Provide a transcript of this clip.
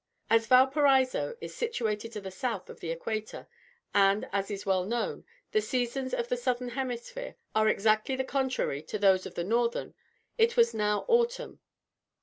As Valparaiso is situated to the south of the Equator, and, as is well known, the seasons of the southern hemisphere are exactly the contrary of those of the northern, it was now autumn.